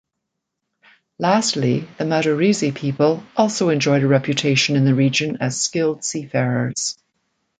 Lastly, the Madurese people also enjoyed a reputation in the region as skilled seafarers.